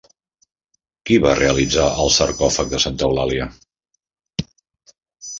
Qui va realitzar el sarcòfag de Santa Eulàlia?